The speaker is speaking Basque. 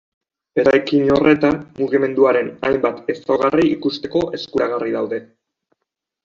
Eraikin horretan, mugimenduaren hainbat ezaugarri ikusteko eskuragarri daude.